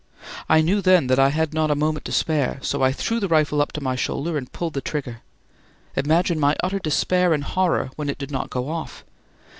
I knew then that I had not a moment to spare, so I threw the rifle up to my shoulder and pulled the trigger. Imagine my utter despair and horror when it did not go off!